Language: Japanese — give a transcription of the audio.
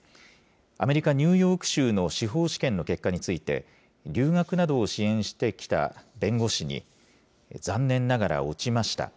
アメリカ・ニューヨーク州の司法試験の結果について、留学などを支援してきた弁護士に、残念ながら落ちました。